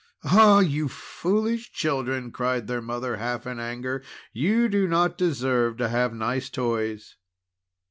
"Ah! you foolish children!" cried their mother half in anger, "you do not deserve to have nice toys!"